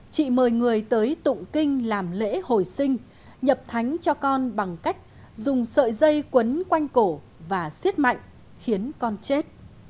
chị mời người tới tụng kinh làm lễ hồi sinh nhập thánh cho con bằng cách dùng sợi dây quấn quanh cổ và xiết mạnh khiến con chết